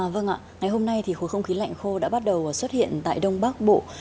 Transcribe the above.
vâng ạ ngày hôm nay thì khối không khí lạnh khô đã bắt đầu xuất hiện tại đông bắc bộ